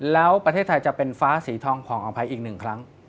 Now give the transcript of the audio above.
แล้วประเทศไทยจะเป็นฟ้าสีทองผ่องภัยอีกหนึ่งครั้ง